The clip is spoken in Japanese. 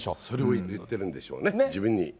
それも言ってるんでしょうね、自分に。